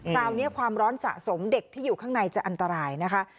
คราวนี้ความร้อนสะสมเด็กที่อยู่ข้างในจะอันตรายนะคะ